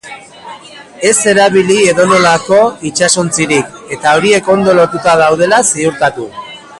Ez erabili edonolako itsasontzirik, eta horiek ondo lotuta daudela ziurtatu.